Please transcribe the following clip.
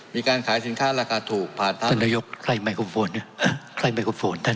มีการขายสินค้าราคาถูกผ่านทาง